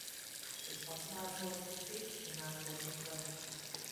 Kas pats mēslos, tas citus pa mēsliem meklē.